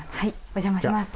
お邪魔します。